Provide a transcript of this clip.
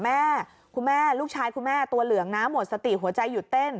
คุณแม่คุณแม่ลูกชายคุณแม่ตัวเหลืองนะหมดสติหัวใจหยุดเต้น